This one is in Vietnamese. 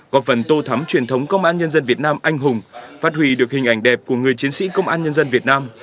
có phần tô thắm truyền thống công an nhân dân việt nam anh hùng phát huy được hình ảnh đẹp của người chiến sĩ công an nhân dân việt nam